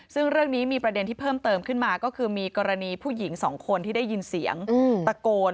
ซึ่งเรื่องนี้มีประเด็นที่เพิ่มเติมขึ้นมาก็คือมีกรณีผู้หญิงสองคนที่ได้ยินเสียงตะโกน